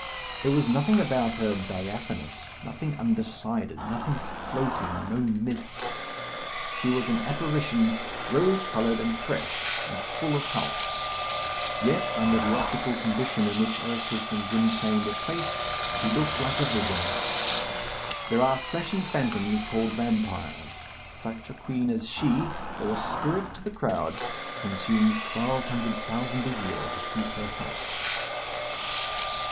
There was nothing about her diaphanous, nothing undecided, nothing floating, no mist. She was an apparition; rose coloured and fresh, and full of health. Yet, under the optical condition in which Ursus and Gwynplaine were placed, she looked like a vision. There are fleshy phantoms, called vampires. Such a queen as she, though a spirit to the crowd, consumes twelve hundred thousand a year, to keep her health.